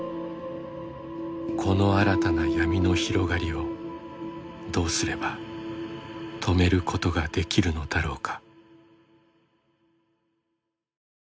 この新たな闇の広がりをどうすれば止めることができるのだろうか。